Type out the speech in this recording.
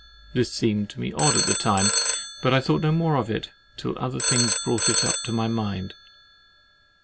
This seemed to me odd at the time, but I thought no more of it, till other things brought it to my mind.